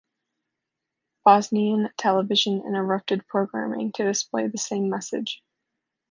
Bosnian television interrupted programming to display the same message.